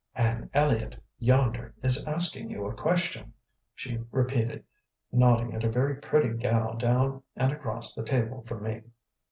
"Anne Elliott, yonder, is asking you a question," she repeated, nodding at a very pretty gal down and across the table from me.